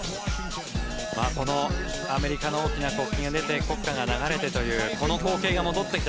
このアメリカの大きな国旗が出て国歌が流れてというこの光景が戻ってきた。